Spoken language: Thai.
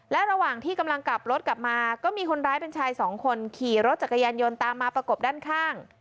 และระหว่างที่กำลังกลับรถกลับมาก็มีคนร้ายเป็นชายสองคนขี่รถจักรยานยนต์ตามมาประกบด้านข้าง